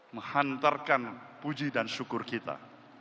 menghantarkan puji dan syukur kita